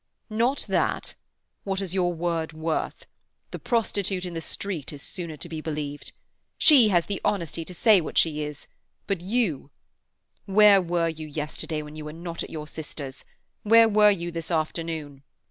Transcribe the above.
"Not that? What is your word worth? The prostitute in the street is sooner to be believed. She has the honesty to say what she is, but you—Where were you yesterday when you were not at your sister's? Where were you this afternoon?"